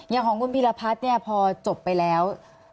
อย่างของคุณพีรพัฒน์เนี่ยพอจบไปแล้ว